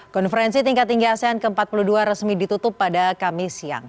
konferensi tingkat tinggi asean ke empat puluh dua resmi ditutup pada kamis siang